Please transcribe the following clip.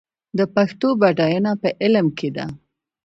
د پښتو بډاینه په علم کې ده.